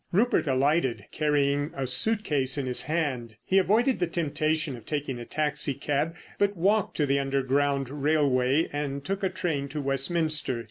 Rupert alighted, carrying a suit case in his hand. He avoided the temptation of taking a taxi cab, but walked to the underground railway and took a train to Westminster.